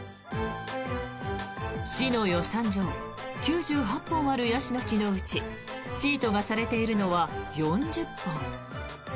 市の予算上９８本あるヤシの木のうちシートがされているのは４０本。